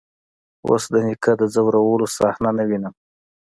اوس د نيکه د ځورولو صحنه نه وينم.